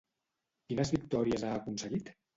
Quines victòries ha aconseguit?